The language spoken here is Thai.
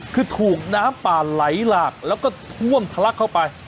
คือถูกน้ำป่าไหลหลากแล้วก็ท่วมทะลักเข้าไป